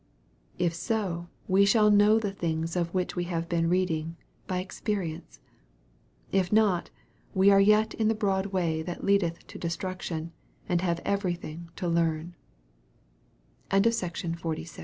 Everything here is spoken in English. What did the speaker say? If so, we shall know the things of which we have been reading, by experience. If not, we are yet in the broad way that leadeth to destruction, and have every thing to learn, 2